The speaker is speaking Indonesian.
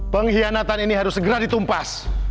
pengkhianatan ini harus segera ditumpas